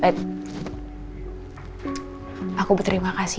saya sangat berterima kasih